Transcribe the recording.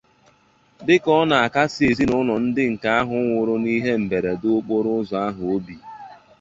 Dịka ọ na-akasì ezinụlọ ndị nke ha nwụrụ n'ihe mberede okporoụzọ ahụ obi